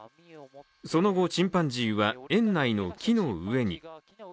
その後、チンパンジーは園内の木の上に。